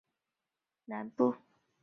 利松站位于利松市区的南部。